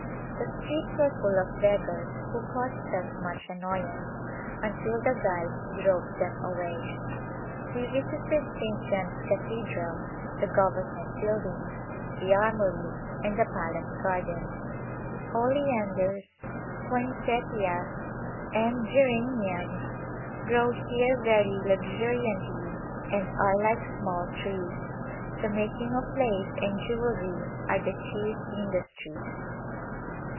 The streets were full of beggars who caused us much annoyance until the guide drove them away. We vis ited St. John's Cathedral, the government buildings, the Armory and the palace gardens. Oleanders, A Gli7npse of India poinsettias, and geraniums grow here very luxuriantly and are like small trees. The making of lace and jewelry are the chief industries.